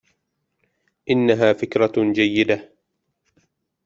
إنها فكرة جيدة.